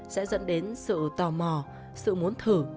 sẽ dẫn đến sự tò mò sự muốn thử